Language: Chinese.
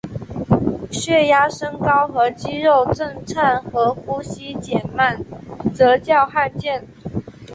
血压升高和肌肉震颤和呼吸减慢则较罕见。